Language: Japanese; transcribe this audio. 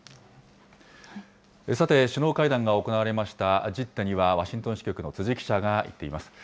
さて、首脳会談が行われましたジッダにはワシントン支局の辻記者が行っています。